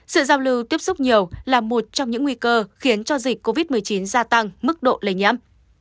sự giao lưu tiếp xúc nhiều là một trong những nguy cơ khiến cho dịch covid một mươi chín gia tăng mức độ lây nhiễm